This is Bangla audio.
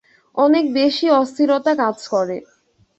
অনেক বেশি অস্থিরতা কাজ করে।